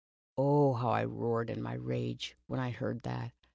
Oh, how I roared in my rage, when I heard that.